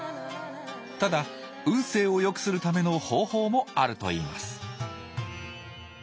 ただ運勢を良くするための方法もあるといいます